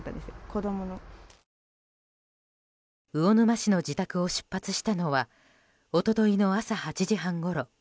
魚沼市の自宅を出発したのは一昨日の朝８時半ごろ。